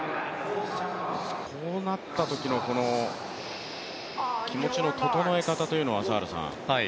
こうなったときの気持ちの整え方というのは。